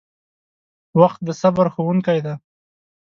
• وخت د صبر ښوونکی دی.